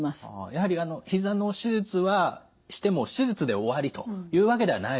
やはりひざの手術はしても手術で終わりというわけではないわけですね。